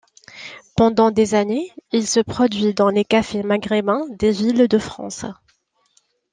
Pendant des années, il se produit dans les cafés maghrébins des villes de France.